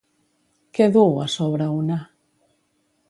Què duu a sobre una?